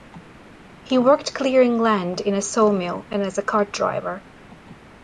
He worked clearing land, in a sawmill, and as a cart driver.